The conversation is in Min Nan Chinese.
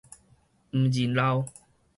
毋認老